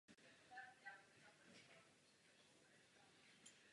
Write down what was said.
Při druhém letu o dva roky později byl již velitelem lodě.